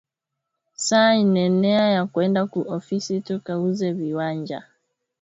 Saa inenea ya kwenda ku ofisi tuka uze viwanja